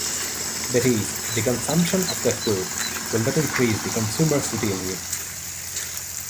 That is, the consumption of that good will not increase the consumer's utility.